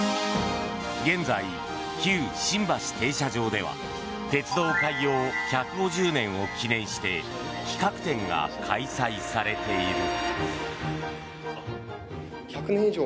現在、旧新橋停車場では鉄道開業１５０年を記念して企画展が開催されている。